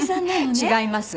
違います。